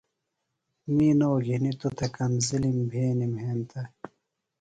می نو گِھنیۡ توۡ تھےۡ کنزِلِم بھینِم ہنتہ۔